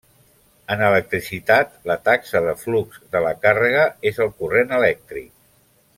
En electricitat, la taxa de flux de la càrrega és el corrent elèctric.